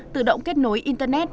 tự động kết nối internet